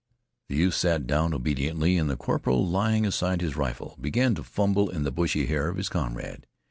The youth sat down obediently and the corporal, laying aside his rifle, began to fumble in the bushy hair of his comrade.